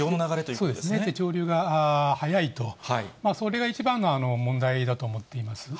そうですね、潮流が速いと、それが一番の問題だと思っています。